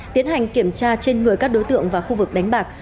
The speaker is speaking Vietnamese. tiến hành kiểm tra trên người các đối tượng và khu vực đánh bạc